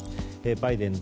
バイデン